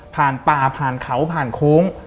ป่าผ่านเขาผ่านโค้ง